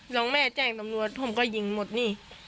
น้องแม่แจ้งตำรวจผมก็ยิงหมดนี่